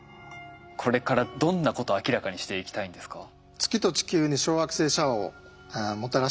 これからどんなことを明らかにしていきたいんですか？